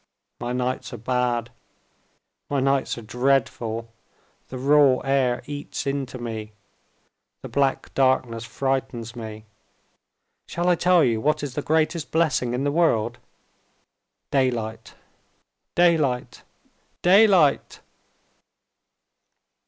My nights are bad, my nights are dreadful. The raw air eats into me, the black darkness frightens me. Shall I tell you what is the greatest blessing in the world? Daylight! Daylight!! Daylight!!!"